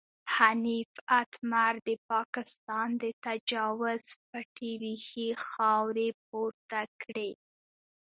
حنیف اتمر د پاکستان د تجاوز پټې ریښې خاورې پورته کړې.